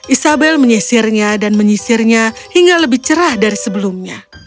isabel menyisirnya dan menyisirnya hingga lebih cerah dari sebelumnya